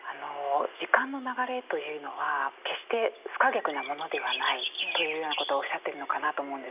時間の流れというのは決して不可逆なものではないというようなことをおっしゃってるのかなと思うんですけど。